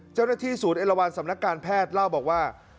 เจ้าหน้าที่ศูนย์เอลวันสำนักการแพทย์เล่าบอกว่า